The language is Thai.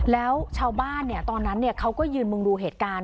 แล้วชาวบ้านตอนนั้นเขาก็ยืนมุงดูเหตุการณ์